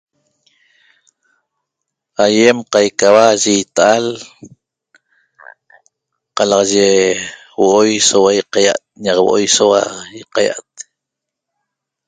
Aýem qaicaua yi ita'al qalaxaye huo'oi soua ýiqaýa't ñaq houoi soua ýiqaýa't